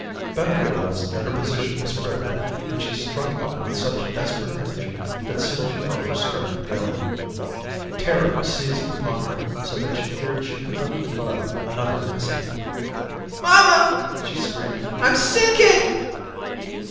Beth realized that her position was critical, and she struck out with such desperate energy that soon she felt her strength failing her. Terror seized upon her so that she feared she could not keep up another instant. "Mamma," she screamed, "I'm sinking."